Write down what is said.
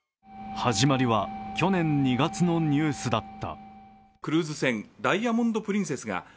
始まりは去年２月のニュースだった。